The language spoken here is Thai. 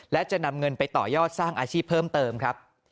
และจะนำเงินไปต่อยอดสร้างอาชีพเพิ่มเติมครับ